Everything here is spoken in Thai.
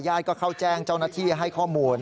ก็เข้าแจ้งเจ้าหน้าที่ให้ข้อมูล